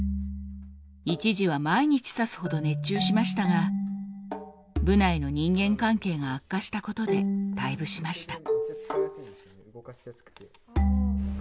一時は毎日指すほど熱中しましたが部内の人間関係が悪化したことで退部しました。